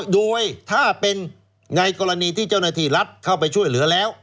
โดยถ้าเป็นในกรณีที่เจ้าหน้าที่รัฐเข้าไปช่วยเหลือแล้ว